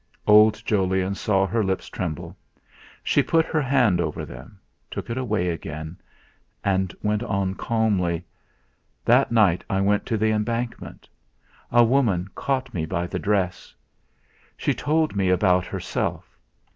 Old Jolyon saw her lips tremble. She put her hand over them, took it away again, and went on calmly: "That night I went to the Embankment; a woman caught me by the dress. She told me about herself.